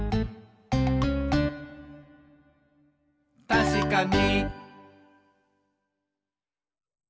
「たしかに！」